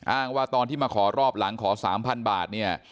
อ้างว่าตอนที่มาขอรอบหลังขอ๓๐๐บาทเนี่ย